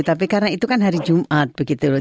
tapi karena itu kan hari jumat begitu